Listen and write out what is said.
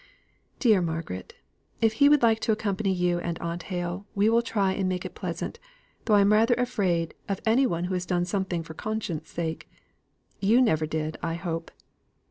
Dear Margaret, if he would like to accompany you and Aunt Hale, we will try and make it pleasant, though I'm rather afraid of any one who has done anything for conscience' sake. You never did, I hope.